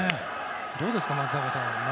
どうですか、松坂さん。